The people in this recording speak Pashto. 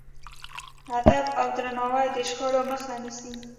ادب او درناوی د شخړو مخه نیسي.